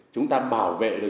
chúng ta bảo vệ được